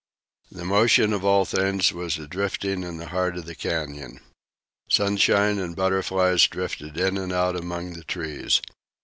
The motion of all things was a drifting in the heart of the canyon. Sunshine and butterflies drifted in and out among the trees.